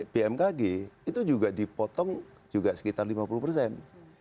bmkg itu juga dipotong juga sekitar lima puluh persen